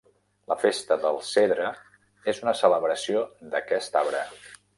La Festa del Cedre és una celebració d'aquest arbre.